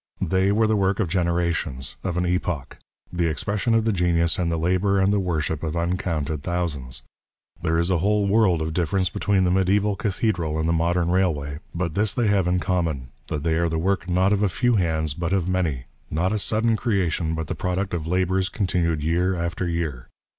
They were the work of generations, of an epoch, the expression of the genius and the labour and the worship of uncounted thousands. There is a whole world of difference between the mediaeval cathedral and the modern railway, but this they have in common, that they are the work not of a few hands but of many, not a sudden creation, but the product of labours continued year after year.